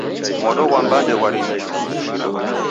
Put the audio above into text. Modo ghwa mbande ghwarimishwa.